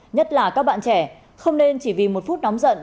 nhất là các bạn trẻ không nên chỉ vì một phút nóng giận